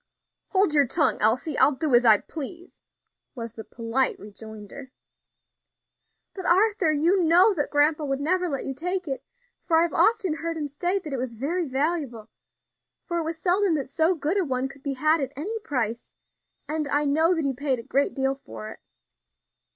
"Hold your tongue, Elsie; I'll do as I please," was the polite rejoinder. "But, Arthur, you know that grandpa would never let you take it. I have often heard him say that it was very valuable, for it was seldom that so good a one could be had at any price; and I know that he paid a great deal for it."